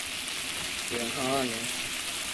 元康二年。